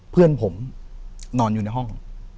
เพื่อนผมนอนอยู่ในห้อง